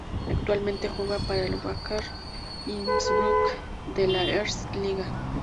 Actualmente juega para el Wacker Innsbruck de la Erste Liga.